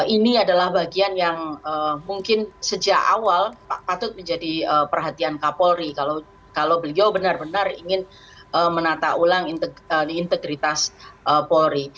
ini adalah bagian yang mungkin sejak awal patut menjadi perhatian kapolri kalau beliau benar benar ingin menata ulang integritas polri